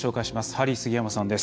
ハリー杉山さんです。